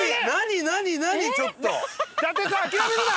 伊達さん諦めるな！